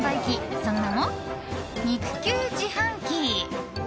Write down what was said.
その名も肉球自販機。